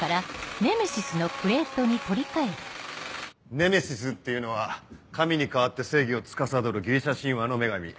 ネメシスっていうのは神に代わって正義をつかさどるギリシャ神話の女神。